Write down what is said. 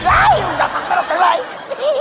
อ้าวอย่าพักตลกตังเลย